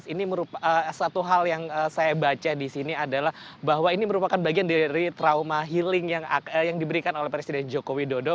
ini merupakan satu hal yang saya baca di sini adalah bahwa ini merupakan bagian dari trauma healing yang diberikan oleh presiden joko widodo